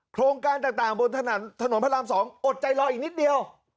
โครงการต่างบนถนนพระราม๒อดใจรออีกนิดเดียว